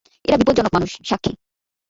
এরা বিপজ্জনক মানুষ, সাক্ষী।